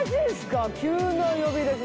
急な呼び出し。